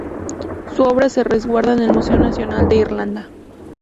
Su obra se resguarda en el Museo Nacional de Irlanda.